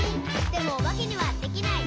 「でもおばけにはできない。」